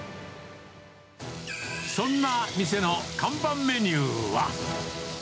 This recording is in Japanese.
そんな店の看板メニューは。